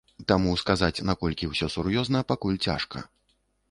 Таму сказаць, наколькі ўсё сур'ёзна, пакуль цяжка.